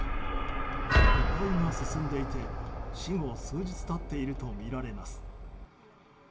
腐敗が進んでいて死後数日経っているとみられます。